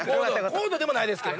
高度でもないですけどね。